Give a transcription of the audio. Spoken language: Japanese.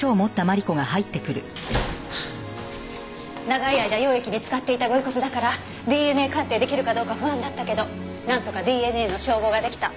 長い間溶液に浸かっていた御遺骨だからＤＮＡ鑑定出来るかどうか不安だったけどなんとかＤＮＡの照合が出来た。